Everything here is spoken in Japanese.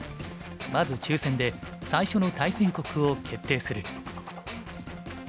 まず抽選で最初の対戦国を決定する。